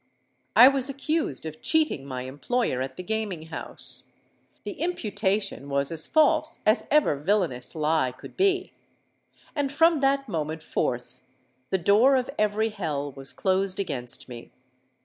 I was accused of cheating my employer at the gaming house: the imputation was as false as ever villanous lie could be;—and from that moment forth the door of every hell was closed against me.